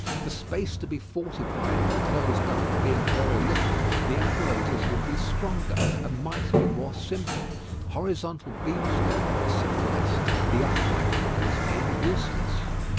The space to be fortified and closed up being very little, the apparatus would be stronger, and might be more simple. Horizontal beams, therefore, sufficed, the upright ones being useless.